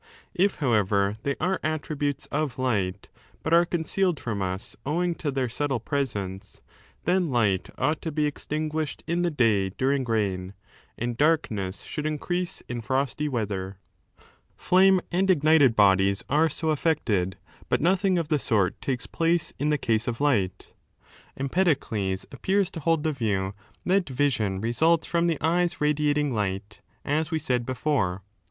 If, however, they ^ are attributes of light but are concealed from us owing to their subtle presence, then light ought to be extinguished in the day during rain, and darkness should increase in frosty weather. Flame and ignited bodies are so affected, but nothing of the sort takes 9 place in the case of light Empedocles appears to hold the view that vision results from the eye's radiating light, as we said before.